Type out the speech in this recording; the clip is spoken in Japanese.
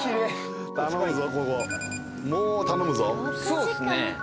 そうっすね。